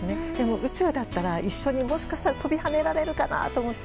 宇宙だったら一緒にもしかしたら飛び跳ねられるかな？と思って。